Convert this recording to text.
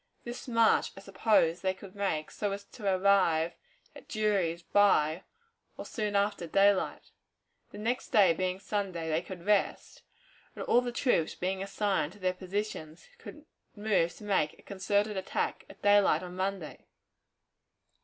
This march I supposed they could make so as to arrive at Drury's by or soon after daylight. The next day being Sunday, they could rest, and, all the troops being assigned to their positions, could move to make a concerted attack at daylight on Monday.